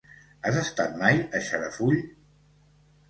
Has estat mai a Xarafull?